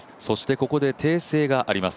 ここで訂正があります。